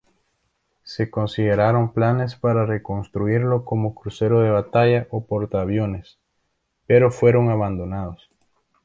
Se consideraron planes para reconstruirlo como crucero de batalla o portaaviones, pero fueron abandonados.